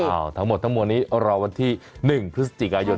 ทั้งหมดทั้งมวลนี้รอวันที่๑พฤศจิกายน